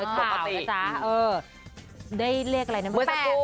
ด้วยเวลา๘๓๑